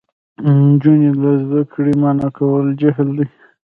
نجونې له زده کړې منع کول جهل دی.